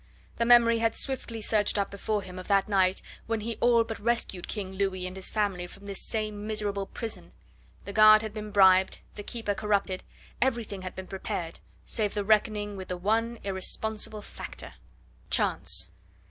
The memory had swiftly surged up before him of that night when he all but rescued King Louis and his family from this same miserable prison: the guard had been bribed, the keeper corrupted, everything had been prepared, save the reckoning with the one irresponsible factor chance!